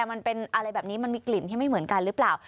มันเป็นอะไรแบบนี้มันมีกลิ่นที่ไม่เหมือนกันหรือเปล่า